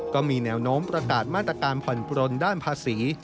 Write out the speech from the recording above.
ก็มีแนวโน้มประกาศมาตรการผ่อนปลนด้านภาษี